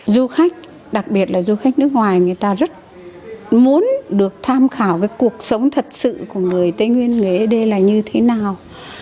du khách đặc biệt là du khách nước ngoài người ta rất muốn được tham khảo cuộc sống thật sự của người tây nguyên người ấy đê là như thế nào